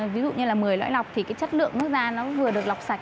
ví dụ như là một mươi lõi lọc thì cái chất lượng nước ra nó vừa được lọc sạch